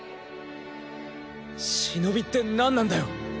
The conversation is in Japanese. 忍ってなんなんだよ。